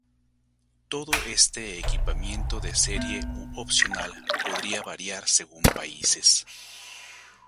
Todo este equipamiento de serie u opcional podría variar según países.